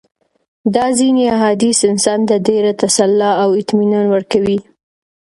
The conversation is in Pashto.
دا ځېني احاديث انسان ته ډېره تسلي او اطمنان ورکوي